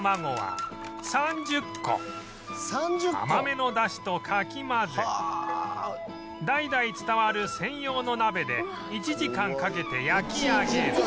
甘めの出汁とかき混ぜ代々伝わる専用の鍋で１時間かけて焼き上げる